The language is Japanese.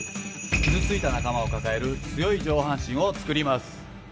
傷ついた仲間を抱える強い上半身を作ります。